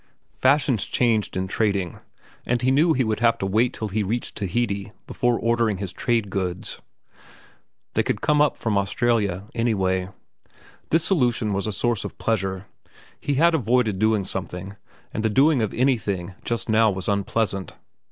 Fashions changed in trading, and he knew he would have to wait till he reached Tahiti before ordering his trade goods. They could come up from Australia, anyway. This solution was a source of pleasure. He had avoided doing something, and the doing of anything just now was unpleasant.